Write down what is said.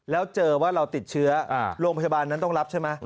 แล้วเจอว่าเราติดเชื้อโรงพยาบาลนั้นต้องรับใช่ไหม